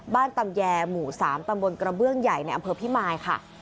ตำแยหมู่๓ตำบลกระเบื้องใหญ่ในอำเภอพิมายค่ะ